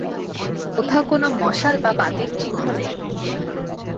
কোথাও কোনো মশাল বা বাতির চিহ্ন নেই।